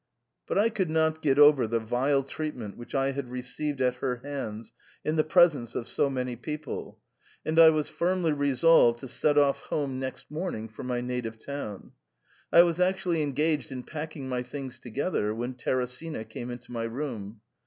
'* But I could not get over the vile treatment which I had received at her hands in the presence of so many people, and I was jfirmly resolved tp set off home next morning for my native town. *I was act ually engaged in packing my things together when Teresina came into my room.